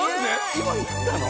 今言ったの？